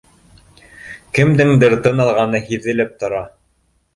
Кемдеңдер тын алғаны һиҙелеп тора